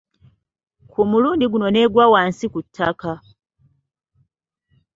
Ku mulundi guno n'egwa wansi ku ttaka.